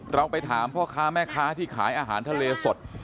เราไปถามพ่อค้าแม่ค้าที่ขายอาหารทะเลสด